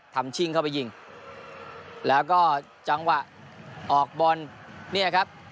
ชิ่งเข้าไปยิงแล้วก็จังหวะออกบอลเนี่ยครับ